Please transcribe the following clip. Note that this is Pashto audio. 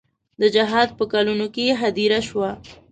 د جهاد په کلونو کې هدیره شوه.